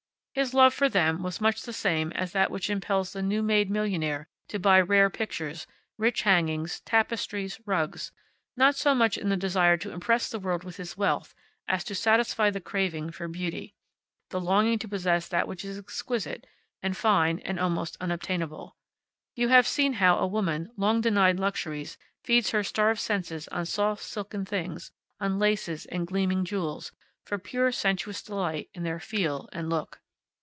His love for them was much the same as that which impels the new made millionaire to buy rare pictures, rich hangings, tapestries, rugs, not so much in the desire to impress the world with his wealth as to satisfy the craving for beauty, the longing to possess that which is exquisite, and fine, and almost unobtainable. You have seen how a woman, long denied luxuries, feeds her starved senses on soft silken things, on laces and gleaming jewels, for pure sensuous delight in their feel and look.